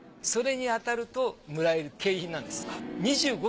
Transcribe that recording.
それに当たるともらえる景品なんです。